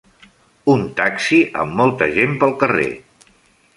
Un taxi amb molta gent pel carrer.